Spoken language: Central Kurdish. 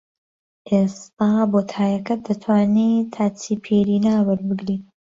ئێستا بۆ تایەکەت دەتوانی تاچیپیرینا وەربگری